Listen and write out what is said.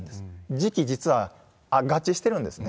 時期、実は合致してるんですね。